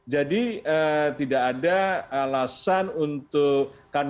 jadi tidak ada alasan untuk